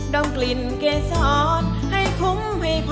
ด้องกลิ่นเกศศอดให้คุ้มให้พอ